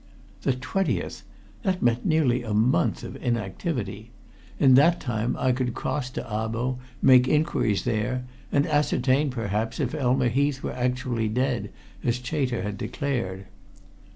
The twentieth! That meant nearly a month of inactivity. In that time I could cross to Abo, make inquiries there, and ascertain, perhaps, if Elma Heath were actually dead as Chater had declared.